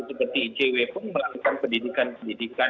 seperti icw pun melakukan pendidikan pendidikan